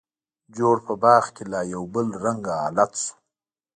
جوړ په باغ کې لا یو بل رنګه حالت شو.